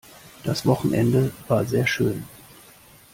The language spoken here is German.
Das Wochenende war sehr schón.